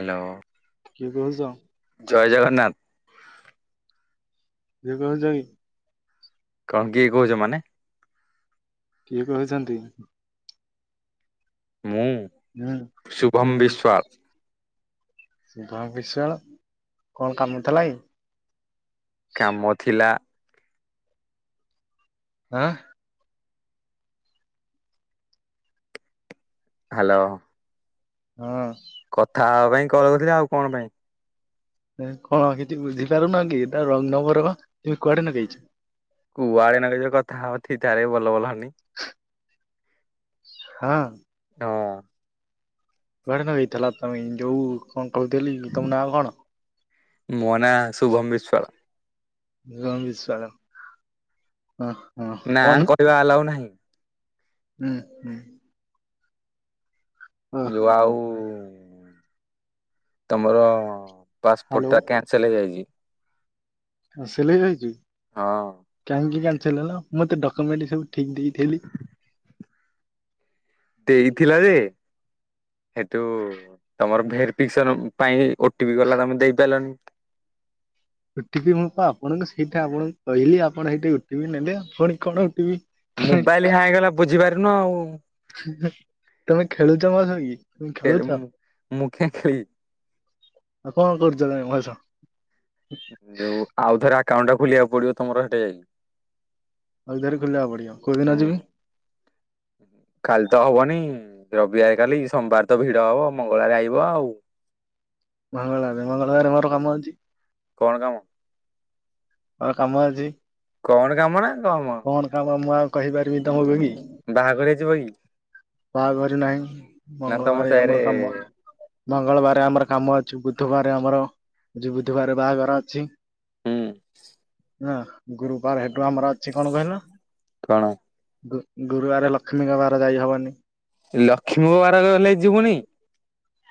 Hello. କିଏ କହୁଛ? ଜଗନ୍ନାଥ [unintelligible] କଣ କିଏ କହୁଛ? ମାନେ କିଏ କହୁଛନ୍ତି? ହୁଁ ମୁଁ ଶୁଭମ ହୁଁ ବିଶ୍ୱାଳ। ଶୁଭମ ବିଶ୍ୱାଳ। କଣ କାମ ଥିଲା କି? କାମ ଥିଲା। ଆଁ ହାଲୋ। ହଁ କଥା ହେବା ପାଇଁ କଲ କରିଥିଲି, ଆଉ କଣ ପାଇଁ? କଣ କିଛି ବୁଝିପାରୁନ କି, ଏଇଟା ରଙ୍ଗ ନମ୍ବର ତମେ କୁଆଡେ ନଗେଇଚ? କୁଆଡେ ନଗେଇଛ କଥାହ [unintelligible] ବଲ ବଲ ହଅନି। ହଁ ହଁ କୁଆଡେ ନଗେଇଥିଲ, ତମେ ଯୋଉ କଣ କହୁଥିଲି, ତମ ନାଁ କଣ? ମୋ ନା ଶୁଭମ ବିଶ୍ୱାଳ। ଶୁଭମ ବିଶ୍ୱାଳ। ହଁ ନା କଣ କହିବା ଆଲାଉ ନାହିଁ। ହୁଁ ହୁଁ। ଯୋ ଓହୋ ଆଉ ତମର ହ୍ୟାଲୋ ପାସପୋର୍ଟ ଟା କ୍ୟାନସେଲ୍ ହେଇଯାଇଛି। ହଁ ସିଲେଇ ହେଇଛି। ହଁ। କେମିତି କ୍ୟାନସେଲ୍ ହେଲା ମୁଁ ତ ଡକ୍ୟୁମେଣ୍ଟ୍ ସବୁ ଠିକ୍ ଠିକ୍ ଦେଲି। ଦେଇଥିଲ ଯେ ହେଥୁ ତମର ଭରିଫିକେସନ୍ ପାଇଁ ଓ ଟି ପି ଗଲା ତମେ ଦେଇପାରିଲନି। ଓ ଟି ପି ମୁଁ ପା ଆପଣଙ୍କୁ ସେଇଟା ଆପଣଙ୍କୁ କହିଲି ଆପଣ ସେଇଠି ଓ ଟି ପି ନେବେ ପୁଣି କଣ O T P. Mobile hang ହେଲା ବୁଝିପାରୁନୁ ଆଉ। ତମେ ଖେଳୁଛ ମୋ ସହ କି? ତମେ ଖେଳୁଛ ଖେଳୁନି ମୁଁ କାଇଁ ଖେଳିବି। ଆଉ କଣ କରୁଛ ତମେ [unintelligible] ଯୋଉ ଆଉ ଥରେ ଆକାଉଣ୍ଟ୍ ଟା ଖୋଲିବାକୁ ପଡ଼ିବ ତମର ହେଠି। ଆଉଥରେ ଖୋଲିବାକୁ ପଡ଼ିବ କୋଉ ଦିନ ହୁଁ ଯିବି। କାଲି ତ ହବନି ରବିବାର କାଲି ସୋମବାର ତ ଭିଡ଼ ହବ ମଙ୍ଗଳବାର ଆଇବ ଆଉ। ମଙ୍ଗଳବାର ମଙ୍ଗଳବାର ମୋର କାମଅଛି। କଣ କାମ? ମୋର କାମ ଅଛି। କଣ କାମ ନା? କମ କଣ କାମ ମୁଁ ଆଉ କହିପାରିବି ତମକୁ କି। ବାହାଘରିଆ ଯିବ କି? ବାହାଘର ନାହିଁ ନା ତମ ମଙ୍ଗଳବାର ସାହିରେ ଆମର କାମ ମଙ୍ଗଳବାର ଆମର କାମ ଅ ବୁଧବାର ଆମର ବୁଧୁବାରେ ବାହାଘର ଅଛି। ହୁଁ। ହଁ ଗୁରୁବାର ହେଠୁ ଆମର ଅଛି କଣ କହିଲ। କଣ? ଗୁରୁବାର ଲକ୍ଷ୍ମୀଙ୍କ ବାର ଯାଇ ହବନି। ଲକ୍ଷ୍ମୀଙ୍କ ବାର ଗଲେ ଯିବୁନି।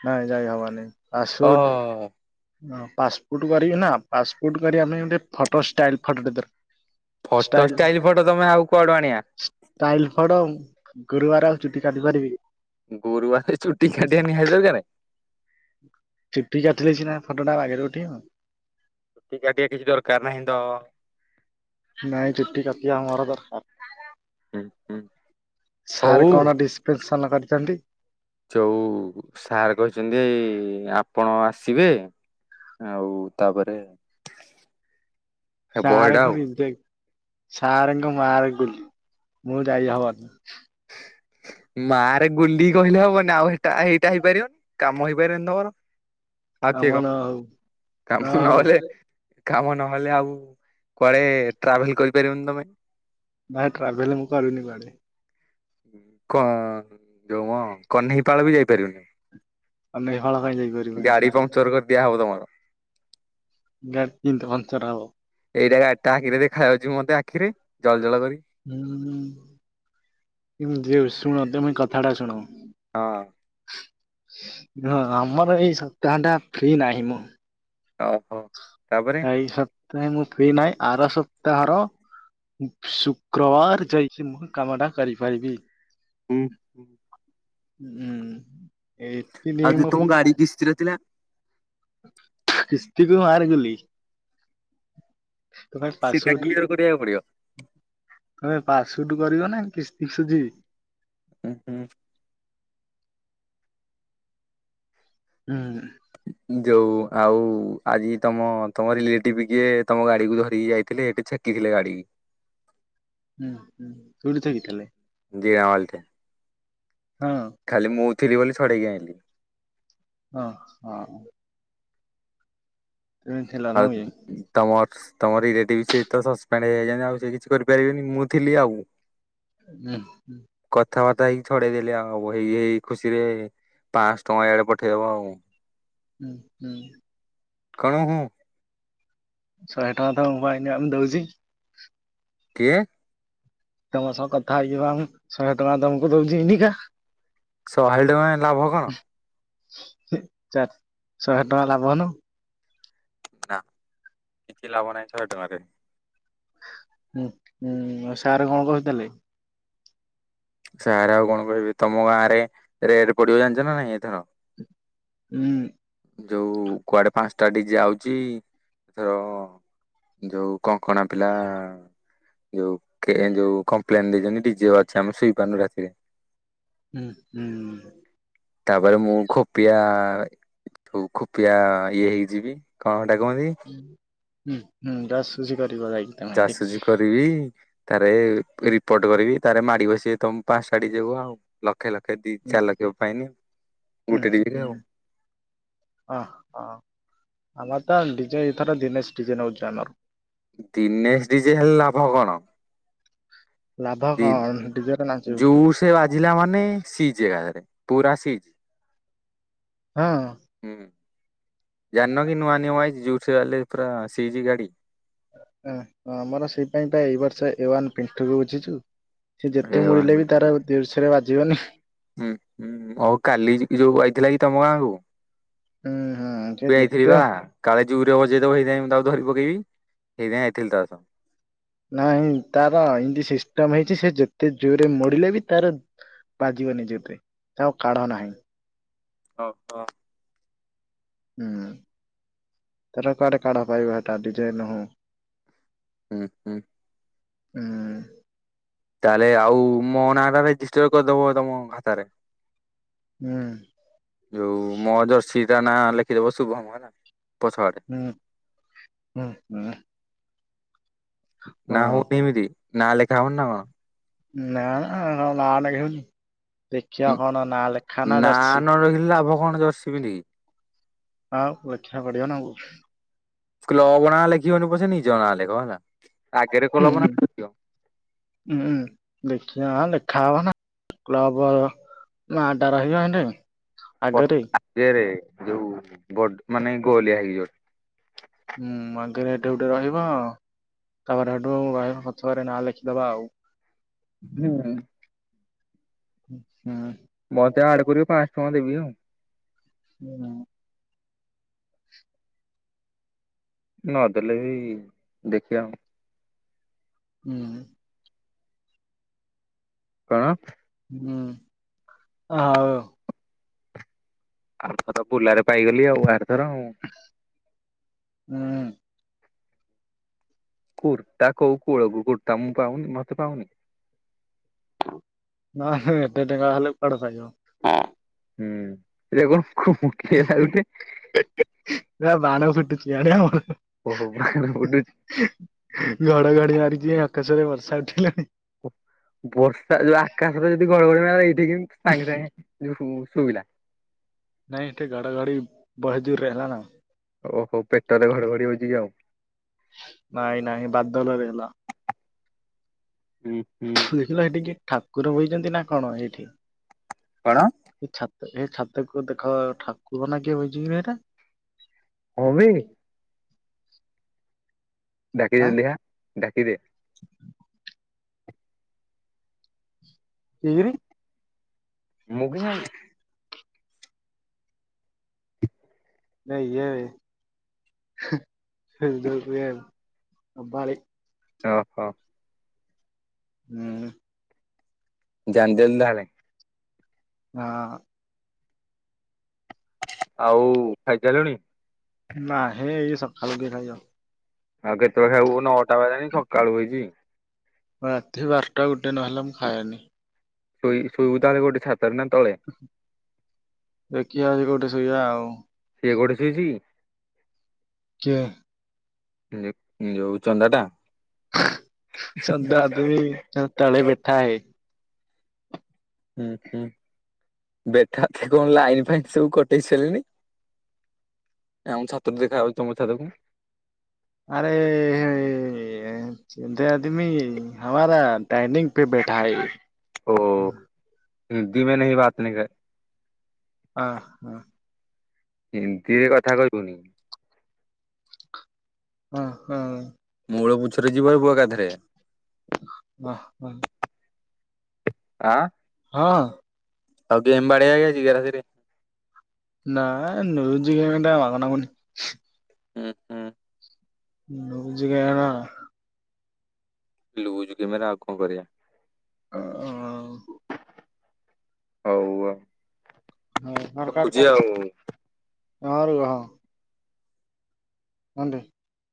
ନାଇଁ ଯାଇ ହବ ନାଇଁ। ହଁ। ହଁ ପାସପୁଟୁ କରିବି ନା ପାସପୁଟୁ କରିବା ପାଇଁ ଗୋଟେ photo style photo the photo style style photo ତମେ ଆଉ କୁଆଡୁ ଆଣିବା? ଷ୍ଟାଇଲ୍ ଫ ଗୁରୁବାର ଆଉ ଚୁଟି କାଟିିପାରିବି। ଗୁରୁବାର ଚୁଟି କାଟିିବା ନିହାତି ଦରକାରେ। ଚୁଟି କାଟିଲେ ସିନା ଫଟୋ ଟା ବାଗରେ ଉଠେଇବ। ଚୁଟି କାଟିବା କିଛି ଦରକାର ନାହିଁ ତ। ନାଇଁ ଚୁଟି କାଟିବା ଆମର ଦରକାରେ। ହୁଁ ହୁଁ ସାରେ ହଉ। କଣ ଡିସପେସନ୍ କରିଛନ୍ତି। ଯଉ ସାରେ କହିଛନ୍ତି ଯେ ଆପଣ ଆସିବେ। ଆଉ ତାପରେ ହେବ ସାରେ ହେଇଟା ଙ୍କୁ ଆଉ। ରି [unintelligible] ସାରେ ଙ୍କୁ ମାରେ ଗୁଳି ମୁଁ ଯାଇ ହବନି। [inaudible] ମା ରେ ଗୁଳି କହିଲେ ହବନି ଆଉଏଟା ଏଇଟା ହେଇପାରିବନି କାମ ହେଇପାରିବନି ତମର। ଆ କାମ କିଏ ନ କଣ ହଉ ନ କାମ ହଉ। ନହେଲେ। କାମ ନହେଲେ ଆଉ କୁଆଡ଼େ ଟ୍ରାଭେଲ୍ କରିପାରିବନି ତମେ। ଭାଇ ଟ୍ରାଭେଲ ମୁଁ କରେନି କୁଆଡ଼େ। କ ଯୋଉ ହଁ କହ୍ନେଇପାଳ ବି ଯାଇପାରିବନି। ଆମେ ହଳ ପାଇଁ ଯାଇପାରିବୁନି। ଗାଡ଼ି ଗାଡି ପଙ୍କଚର କରିଦିଆହବ ତମର। ଗାଡି କିନ୍ତୁ ପଙ୍କଚର ହବ। ଏଇଟା ଗାଡ଼ି ଟା ଇରେ ଦେଖାଯାଉଛି ମତେ ଆ ହୁଁ ହୁଁ ଯେ [unintelligible] ମଧ୍ୟ ମୁଇଁ କଥା ଟା ଶୁଣୁ। ହଁ। ହଁ ଆମର ଏଇ ସପ୍ତାହ ଟା ଫ୍ରି ନାହିଁ ମୁଁ। ଓ ହୋ। ଏଇ ସପ୍ତାହେ ମୁଁ ଫ୍ରି ନାହିଁ ଆର ସପ୍ତାହର। ଉଁ ଶୁକ୍ରବାର ଯାଇକି ମୁଁ କାମ ଟା କରିପାରିବି। ହୁଁ ହୁଁ। ହୁଁ ଏଇଠି ଆଉ ନେଇ ଯୋଉ ତମ ମୁଁ। ଗାଡି [inaudible] କିସ୍ତିର ଥିଲା କିସ୍ତିକୁ ମାର ଗୁଲି। ତମେ ସେଟା ପାସ ଉଟୁ କ୍ଲିୟର କରିବାକୁ ପଡିବ। ତମେ ପାସ ଉ ଟୁ କରିବ ନା କିସ୍ତି ସୁଝିବି। ଉଁ ହୁଁ। ହୁଁ। ଯୋଉ ଆଉ ଆଜି ତମ ତମ ରିଲେଟିଭ କିଏ ତମ ଗାଡିକୁୁ ଧରିକି ଯାଇଥିଲେ ଏଠି ଛେ କି ଥିଲେ ଗାଡି। ହୁଁ ହୁଁ ଶୁଣିଚ କି ତାହେଲେ। ଦିିଆଁ ଓଏଲ ଟେ। ହଁ ଖାଲି ମୁଁ ଥିଲି ବୋଲି ଛଡେଇକି ଆଇଁଲି। ହଁ ହଁ। ଏମିତି ଥିଲା ନା ଆଉ କି? ତମର। ତମ ରିଲେଟିଭ ସେ ତ ସସପେଣ୍ଡ ହେଇଯାଇଛନ୍ତି ଆଉ ସେ କିଛି କରିପାରିବେନି ମୁଁ ଥିଲି ଆଉ। ହୁଁ ହୁଁ। କଥାବାର୍ତ୍ତା ହେଇକି ଛଡେଇ ଦେଲି ଆଉ ହେଇ ଏଇ ଖୁସିରେ ପାଂଶହ ଟଙ୍କା ଆଡେ ପଠେଇଦବ ଆଉ। ହୁଁ ହୁଁ। କଣ ହୁଁ। ଶହେ ଟଙ୍କା ତ ମୋ ପାଇଁ ନିଅ ଦଉଚି। କିଏ? ତମ ସହ କଥା ହେଇକି ପା ମୁଁ ଶହେ ଟଙ୍କା ତମକୁ ଦଉଚି ନି କା। ଶହେ ଟଙ୍କା ଲାଭ କଣ? ଚାରି ଶହେ ଟଙ୍କା ଲାଭ ନୁହ। ନା କିଛି ଲାଭ ନାହିଁ ଶହେ ଟଙ୍କାରେ। ଉଁ ଉଁ ଆ ସାର୍ କଣ କହୁଥିଲେ? ସାର୍ ଆଉ କଣ କହିବେ ତମ ଗାଁ ରେ ରେଡ ପଡିବ ଜାଣିଛ ନା ନାଇଁ ଏଥର। ହୁଁ। ଯୋଉ କୁଆଡେ ପାଞ୍ଚଟା ଡି ଜେ ଆଉଚି ଏଥର। ଯୋଉ କଙ୍କଣା ପିଲା। ଯୋଉ କେଁ ଯୋଉ କମ୍ପ୍ଲେନ ଦେଇଛନ୍ତି ଡିଜେ ବାଜୁଛି ଆମେ ଶୋଇପାରୁନୁ ରାତିରେ। ହୁଁ ହୁଁ। ତାପରେ ମୁଁ ଖୋପିଆ ହଉ ଖୋପିଆ ଇଏ ହେଇଯିବି କ ହୁଁ ହୁଁ ଜାସୁସି କରିବ ଯାଇକି। ଯାସୁସି କରିବି। ତାରେ ରିପୋର୍ଟ କରିବି ତାରେ ମାଡି ବସିବେ ତମ ପାଞ୍ଚଟା ଡିଜେ କୁ ଆଉ ଲ ଲକ୍ଷେ ଲକ୍ଷେ ଦି ଚାରି ଲକ୍ଷ ଫାଇନି ଗୋଟେ ଦିନରେ ଆଉ। ଅ ହ ଆମର ତ ଡିଜେ ଏଥର ଦିନେଶ ଡି ଜେ ନଉଚୁ ଆମର। ଦିନେଶ ଡି ଜେ ହେଲେ ଲାଭ କଣ ଲାଭ କଣ ଡିଜେରେ ତିନ ନାଚିବୁ ଯୋଉ ସେ ବାଜିଲା ମାନେ ସି ଜି ଏକା ଥରେ ପୁରାସିଜି। ହଁ ହୁଁ। ଜାନ କି ନୂଆ ନିୟମ ଆଇଚି ଜୁଠ ବାଲେ ପୁରା ସିଜି ଗାଡି ଆମର ସେଇପାଇ ତ ଏଇ ବର୍ଷ ଏ ୱାନ ପିଣ୍ଟୁକୁ ବୁଝିଛୁ। ସେ ଏ ଯେତେ ୱାନ୍ ମୁଳିଲେ ବି ମିନିଟ୍ ରୁହ। ତାର ଦର୍ଶରେ ବାଜିବନି ହୁଁ ହୁଁ ଆଉ କାଲି ଯୋଉ ଆଇଥିଲା କି ତମ ଗାଁ କ ହୁଁ ହୁଁ ସେ ତୁ ଯାଇଥିଲ ଯେତେ ବା କାଳେ ଜୁରେ ବଜେଇ ଦବ ହେଇଥିପାଇଁ ମୁଁ ତାକ ଧରି ପକେଇବି ହେଇଥିପାଇଁ ଯାଇଥିଲି ତା ସହ ନାଇଁ ତାର ଏମତି ସିଷ୍ଟମ ହେଇଛି ସେ ଯେତେ ଜୋରେ ମୋଡିଲେ ବି ତାର ବାଜିବନିି ଯେତେ ଆଉ କାଢ ନାହିଁ। ଓ ହୋ। ହୁଁ ତାର କୁଆଡେ କାଢ ପାଇବା ଏଟା ଡିଜାଇ ନ ହଉ। ହୁଁ ହୁଁ ହୁଁ। ତାହେଲେ ଆଉ ମୋ ନାଁ ଟା ରେଜିଷ୍ଟର କରିଦବ ତମ ଖାତାରେ ହୁଁ ଯୋଉ ମୋ ଜର୍ସିଟ ନା ଲେଖିଦବ ଶୁଭମ ହେଲା। ପଛ ଆଡେ ହୁଁ ଉହୁଁ। ନା ହୋଉନି ଏମିତି ନା ଲେଖା ହୋଉନି ନା କଣ? ନା ନା ନାଲେଖେଇବୁନି ଦେଖିବା କଣ ନାଁ ଲେଖା ନା ଯାରଛି ନ ଲେଖିଲେ ଲାଭ କଣ ଜର୍ସି ବୋଲି ହଁ ଆଖା ବଢଆ ନା କ୍ଲବ୍ ନା ଲେଖିବନ ପଛେ ନିଜ ନା ଲେଖ ହେଲା। ଆଗରେ ହୁଁ କ୍ଲବ୍ ହୁଁ ନା ଲେଖିବ ଆ ଲେଖା ହବନା କ୍ଲବ ନା ରହିବ ଏ ରେ ଯୋଉ ବ ମାନେ ଗଳିଆ ହେଇକିଯିବ। ହୁଁ ଆଗରେ ଏଠି ଗୋଟେ ରହିବ ଆ ତାପରେ ର ହଥରେ ନାଁ ଲେଖିଦବା ଆଉ ହୁଁ। ହୁଁ। ମତେ ଆଡ କରିବ ପାଞ୍ଚ ଟଙ୍କା ଦେବି ଆଉ ହୁଁ। ନ ଦେଲେ ବି ଦେଖିବା ହୁଁ। କଣ? ହୁଁ ହ ଆଉ ଆଉଥର ବୁଲାରେ ପାଇଗଲି ଆଉ ଆରଥର ଆଉ ହୁଁ। କୁ ତା କଉ କୂଳ କୁ କ ତା ମୁ ପାଉନି ମତେ ପାଉନି ନା ଏତେ ଟେଙ୍କା ଖଲେ କଡ ଖାଇ ହୁଁ ଯୁ ମୁଖ ଲାଗିଲ [unintelligible] ଆଉ ଓହୋ [unintelligible] ବୁଡୁଚି ଘଡଘଡି ମାରିକଛିି ଆକାଶରେ ବର୍ଷା ଉଠିଲଣି ବର୍ଷା ଯୋଉ ଆକାଶରେ ଯଦି ଗଡ଼ଘଡ଼ି ମ ଏଇଠି କି ସାଙ୍ଗେ ସାଙ୍ଗେ ଶୁବିଲା ନାଇଁ ଏଠେ ଘାଡଘାଡ଼ି ବହେ ଯୋରରେ ହେଲାନ ଓହୋ ପେଟ ତ ଘଡଘଡି ହେଉଛି କିି ଆଉ ନାଇଁ ନହିଁ ବାଧ୍ୟଲରେ ହେଲା ହୁଁ। ହୁଁ ଦେଖିଲ ସେଠି କିଏ ଠାକୁର ବହିଛନ୍ତି ନା କଣ ଏଇଠି କଣ? ଏ ଛାତକୁ ଦେଖ ଠାକୁର ନା କିଏ ବଯିବ ଏଇଟା ଅମି ଡାକିି ଆଁ ଦିଆ ଡାକିଦେ। କିରି ମୁଁ କିନ୍ତି ଜାଣିଲି। [inaudible] ନା ଏ ସେ [unintelligible] ଓ ହୋ। ହୁଁ। ଜ ଦେଲ ତାହାଲେ। ହଁ। ଆଉ ଖାଇସାରିଲୁଣି? ନା ହେ ଏଇ ସକାଳୁ କେ ଖାଇଵ। ଆଉ କେତେବେଳେ ଖାଇବ ନଅଟା ବେଲାଣି ସକାଳୁ ହେଛି। ରାତି ବାରଟା ଗୋଟେ ନହେଲା ମୁଁ ଖାଏନି। ଶୋଇ ଶୋଇ ଉଦା ଗୋଟେ ଛାତ ଦେଖିସ କୋଉଠି ଶୋଇବା ଆଉ। କିଏ କୋଉଠି ସେଇଛି କି। କି ଯୋଉ ଚନ୍ଦା ଟା। ସଧା ଆଦି ତଳେ ବେଠା ହେ। ହୁଁ ହୁଁ। ବେଟା କଣ ଲାଇନ ଫାଇନ ସବୁ କଟେଇ ସାରିଲଣିି। ଆ ଛାତ ରୁ ଦେଖା ଯାଉଛି ତମ ଛାତ କୁ। ଏ ସେନ୍ ତମି ହମାର ଟାଇିଙ୍ଗ ପେ ବେଠା ହେ। ଓ ହିନ୍ଦୀ ମ ନ ବାାତ ନ କର ହ ହ। ହିନ୍ଦୀରେ କଥା କହିବୁନି। ହ ହଁ। ମୂଳ ପୁଛରେ ଯିବ ବୁ ଏକାଧରେ। ହ ହ। ଆଁ? ହଁ। ଆଉ ଗ ଏମ ବାଡିେଇଆ ଆଜି [unintelligible] ନା ନଜ ଗମେ ଟ ବାଗ ନାଗୁନି। ହୁଁ ହୁଁ। ଁ ରଜ କଣ [unintelligible] ଲୁଜ କି ମେ ଆଉ କଣ କରିଆ। ହଁ। ହଉ। ହଉ ସରକାର ରଖୁଛି ଆଉ। ଆର କହଁ [unintelligible] ଅଣ୍ଡ [unintelligible]